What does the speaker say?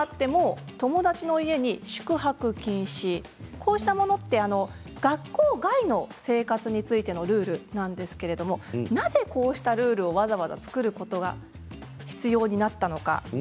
こうしたものは学校外の生活についてのルールなんですけれどなぜこうしたルールをわざわざ作ることが必要になったのか。